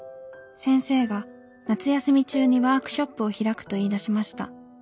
先生が夏休み中にワークショップを開くと言い出しました。